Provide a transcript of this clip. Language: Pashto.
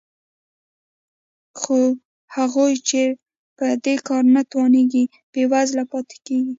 خو هغوی چې په دې کار نه توانېږي بېوزله پاتې کېږي